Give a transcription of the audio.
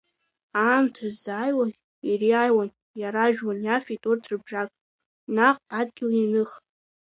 Аамҭа зиааиуаз ириааиуан, иаражәуан, иафеит урҭ рыбжак, наҟ адгьыл ианых.